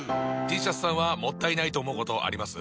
Ｔシャツさんはもったいないと思うことあります？